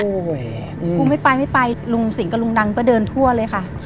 โอ้โหกูไม่ไปไม่ไปลุงสิงกับลุงดังก็เดินทั่วเลยค่ะ